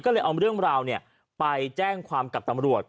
ก็เลยเอาเรื่องราวไปแจ้งความกับตำรวจ